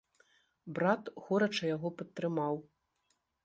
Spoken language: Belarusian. Брат горача яго падтрымаў.